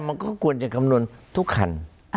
มันก็ควรจะคำนวณทุกคัน